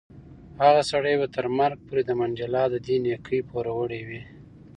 هغه سړی به تر مرګ پورې د منډېلا د دې نېکۍ پوروړی وي.